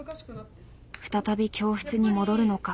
再び教室に戻るのか